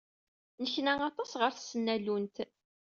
Nneknan aṭas ɣer tesnallunt.